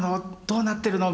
「どうなってるの？」